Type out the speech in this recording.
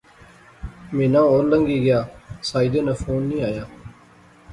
مہینہ ہور لنگی گیا، ساجدے ناں فون نی آیا